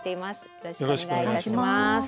よろしくお願いします。